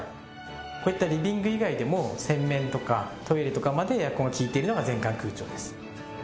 こういったリビング以外でも洗面とかトイレとかまでエアコンがきいているのが全館空調です